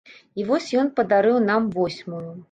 І вось ён падарыў нам восьмую.